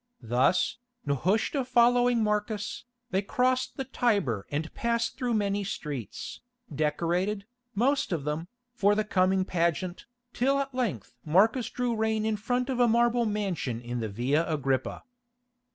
Thus, Nehushta following Marcus, they crossed the Tiber and passed through many streets, decorated, most of them, for the coming pageant, till at length Marcus drew rein in front of a marble mansion in the Via Agrippa.